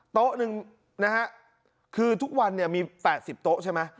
โต๊ะหนึ่งนะฮะคือทุกวันเนี่ยมี๘๐โต๊ะใช่ไหม